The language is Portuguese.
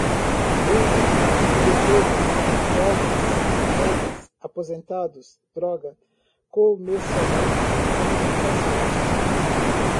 gangue, indefesas, folgas, férias, aposentados, droga, comercialmente, ramificações